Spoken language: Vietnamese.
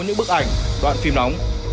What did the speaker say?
những bức ảnh đoạn phim nóng